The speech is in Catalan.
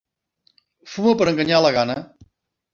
Fuma per enganyar la gana.